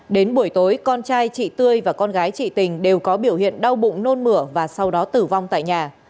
đến buổi tối con trai chị tươi và con gái chị tình đều có biểu hiện đau bụng nôn mửa và sau đó tử vong tại nhà